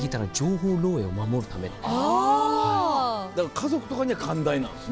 家族とかには寛大なんですね。